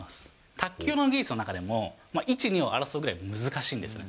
卓球の技術の中でも、１、２を争うぐらい難しいんですね。